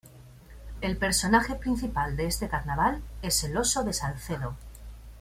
El personaje principal de este carnaval es el oso de Salcedo.